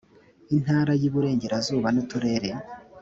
Intara y Iburengerazuba n Uturere